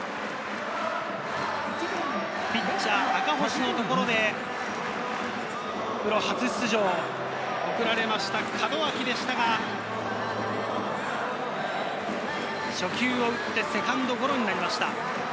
ピッチャー・赤星のところで、プロ初出場、門脇でしたが、初球を打ってセカンドゴロになりました。